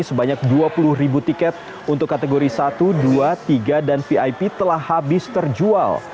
sebanyak dua puluh ribu tiket untuk kategori satu dua tiga dan vip telah habis terjual